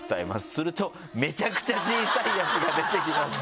「するとめちゃくちゃ小さいやつが出てきます」。